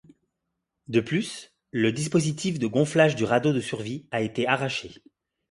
De plus, le dispositif de gonflage du radeau de survie a été arraché.